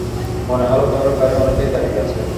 মনে হল ঘরের বাইরে অনেকেই দাঁড়িয়ে আছে।